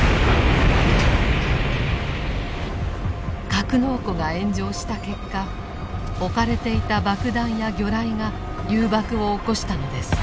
格納庫が炎上した結果置かれていた爆弾や魚雷が誘爆を起こしたのです。